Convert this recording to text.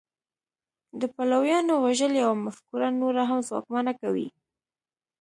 د پلویانو وژل یوه مفکوره نوره هم ځواکمنه کوي